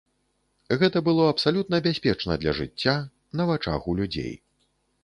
Гэта было абсалютна бяспечна для жыцця, на вачах у людзей.